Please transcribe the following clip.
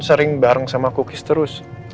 sering bareng sama cookies terus